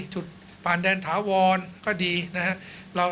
จุดผ่านแดนถาวรก็ดีนะครับ